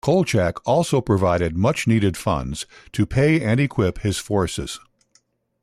Kolchak also provided much-needed funds to pay and equip his forces.